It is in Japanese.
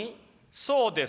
そうです。